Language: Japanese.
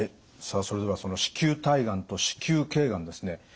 さあそれではその子宮体がんと子宮頸がんですね